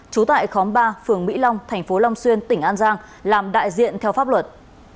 trú tại khóm ba phường mỹ long thành phố long xuyên tỉnh an giang làm đại diện theo pháp luật